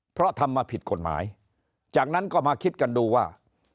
เพราะทำมาผิดกฎหมายจากนั้นก็มาคิดกันดูว่า